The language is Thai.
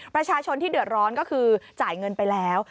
ประชาชนที่เดือดร้อนก็คือจ่ายเงินไปแล้ว